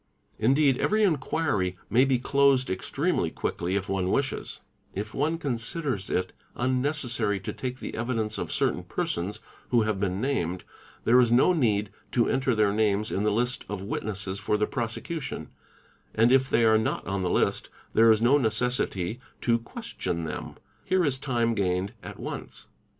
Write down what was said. .| Indeed every inquiry may be closed extremely quickly if one wishes ; if one considers it unnecessary to take the evidence of certain persons who have been named, there is no need to enter their names in the list of witnesses for the prosecution, and if they are not on the list, there is no necessity to question them; here is time gained at once.